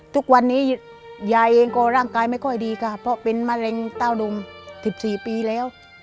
ทุกวันนี้ยายเองก็ร่างกายไม่ค่อยดีค่ะเพราะเป็นมะเร็งเต้าดม๑๔ปีแล้ว